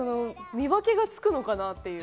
見分けがつくのかなって。